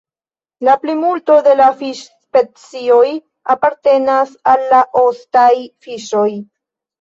La plimulto de la fiŝ-specioj apartenas al la ostaj fiŝoj.